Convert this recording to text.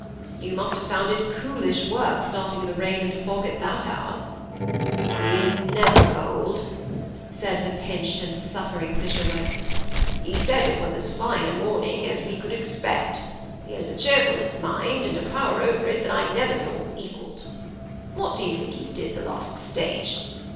^' You must have found it coolish work, starting in the rain and fog at that hour ?"^^ He never is cold," said the pinched and suffering Fisherwick ;^' he said it was as fine a morning as we could expect. He has the cbeerfullest mind, and a power over it, that I never saw equalled. What do you think he did the last stage?